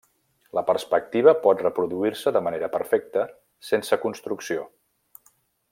La perspectiva pot reproduir-se de manera perfecta, sense construcció.